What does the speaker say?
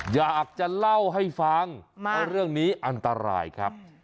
อยากจะเล่าให้ฟังเพราะเรื่องนี้อันตรายครับ